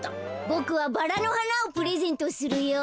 ボクはバラのはなをプレゼントするよ。